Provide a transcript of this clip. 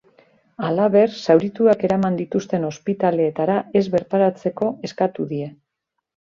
Halaber, zaurituak eraman dituzten ospitaleetara ez bertaratzeko eskatu die.